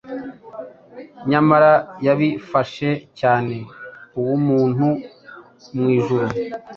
Nyamara yabifahe cyane ubumuntu, mwijuru